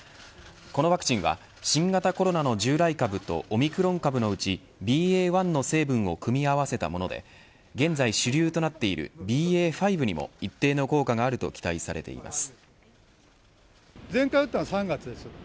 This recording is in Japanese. このワクチンは新型コロナの従来株とオミクロン株のうちＢＡ．１の成分を組み合わせたもので現在主流となっているＢＡ．５にも一定の効果があると期待されています。